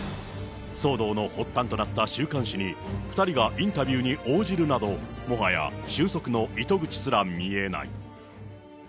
騒動の発端となった週刊誌に、２人がインタビューに応じるなど、もはや収束の糸口すら見えない。